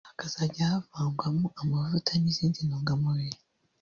hakazajya havangwamo amavuta n’izndi ntungamubiri